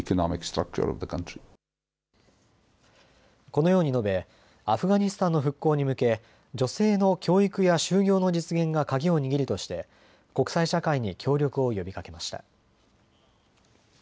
このように述べアフガニスタンの復興に向け女性の教育や就業の実現が鍵を握るとして国際社会に協力を呼びかけました。